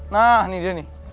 nah nih dia nih